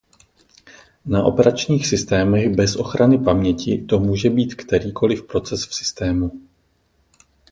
Na operačních systémech bez ochrany paměti to může být kterýkoliv proces v systému.